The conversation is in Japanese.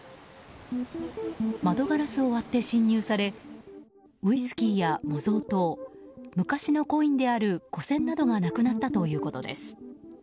窓ガラスを割って侵入されウイスキーや模造刀昔のコインである古銭などがなくなったということです。